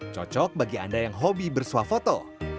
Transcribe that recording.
cocok bagi anda yang hobi bersuah foto